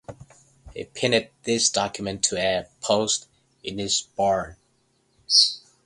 He pinned this document to a post in his barn.